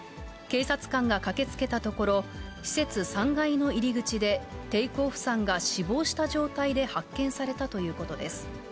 警察官が駆けつけたところ、施設３階の入り口でテイクオフさんが死亡した状態で発見されたということです。